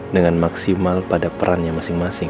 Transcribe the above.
dengan maksimal pada perannya masing masing